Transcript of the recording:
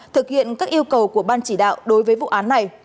thực hiện các yêu cầu của ban chỉ đạo đối với vụ án này